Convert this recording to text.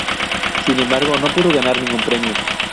Sin embargo, no pudo ganar ningún premio.